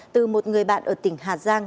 từ một người bạn ở tỉnh hà giang